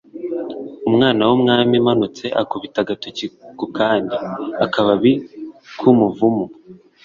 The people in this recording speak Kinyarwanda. Umwana w'umwami amanutse akubita agatoki ku kandi-Akababi k'umuvumu.